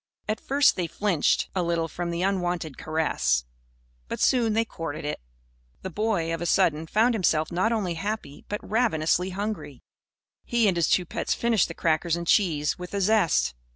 At first they flinched a little from the unwonted caress. But soon they courted it. The boy, of a sudden, found himself not only happy, but ravenously hungry. He and his two pets finished the crackers and cheese with a zest.